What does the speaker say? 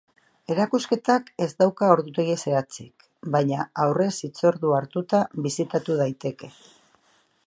Erakusketak ez dauka ordutegi zehatzik baina aurrez hitzordua hartuta bisitatu daiteke.